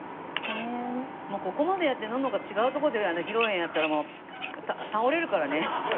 もうここまでやってののか違う所で披露宴やったらもう倒れるからね。